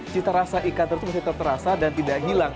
cita rasa ikan tersebut masih terasa dan tidak hilang